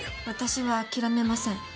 私は諦めません。